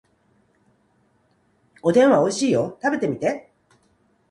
おでんはおいしいよ。食べてみて。